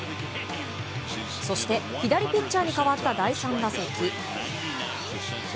そして、左ピッチャーに代わった第３打席。